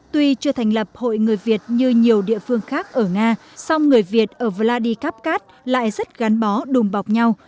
tuy chưa thành lập hội người việt như nhiều địa phương khác ở nga song người việt ở vladikapkat lại rất gắn bó đùm bọc nhau